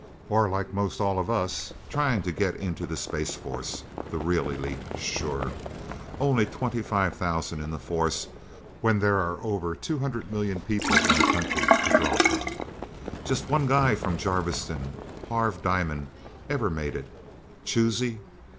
Or like most all of us trying to get into the Space Force. The Real Elite sure. Only 25,000 in the Force, when there are over 200,000,000 people in the country to draw from. Just one guy from Jarviston Harv Diamond ever made it. Choosy?